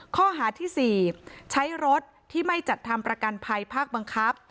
ข้อหาที่๔ใช้รถที่ไม่จัดทำประกันภัยภาคบังคับ